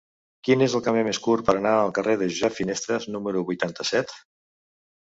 Quin és el camí més curt per anar al carrer de Josep Finestres número vuitanta-set?